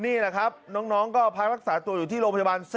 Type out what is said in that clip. นี่แหละครับน้องก็พักรักษาตัวอยู่ที่โรงพยาบาล๔